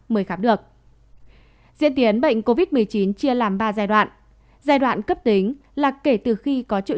mới khám được diễn tiến bệnh covid một mươi chín chia làm ba giai đoạn giai đoạn cấp tính là kể từ khi có triệu